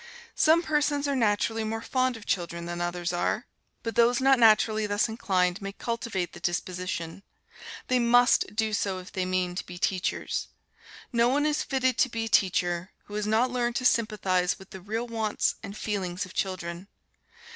Some persons are naturally more fond of children than others are. But those not naturally thus inclined may cultivate the disposition. They must do so if they mean to be teachers. No one is fitted to be a teacher, who has not learned to sympathize with the real wants and feelings of children.